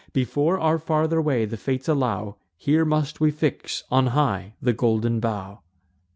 Before our farther way the Fates allow, Here must we fix on high the golden bough."